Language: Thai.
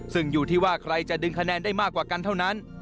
ซึ่งอยู่ที่ว่าใครจะดึงคะแนนได้มากกว่ากันเท่านั้น